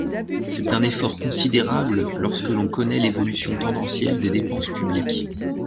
C’est un effort considérable lorsque l’on connaît l’évolution tendancielle des dépenses publiques.